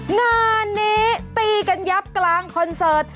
งานนี้ตีกันยับกลางคอนเสิร์ต